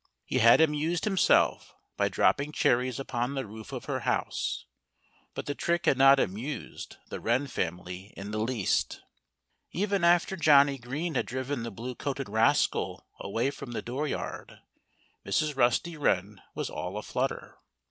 He had amused himself by dropping cherries upon the roof of her house. But the trick had not amused the Wren family in the least. Even after Johnnie Green had driven the blue coated rascal away from the dooryard Mrs. Rusty Wren was all aflutter.